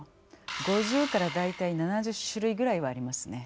５０から大体７０種類ぐらいはありますね。